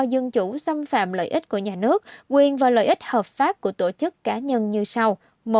dân chủ xâm phạm lợi ích của nhà nước quyền và lợi ích hợp pháp của tổ chức cá nhân như sau